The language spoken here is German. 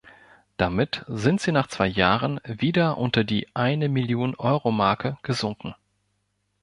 Damit sind sie nach zwei Jahren wieder unter die Eine-Million-Euro-Marke gesunken.